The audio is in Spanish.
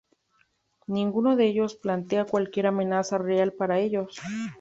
Ninguno de ellos plantean cualquier amenaza real para ellos.